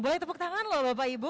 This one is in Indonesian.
boleh tepuk tangan loh bapak ibu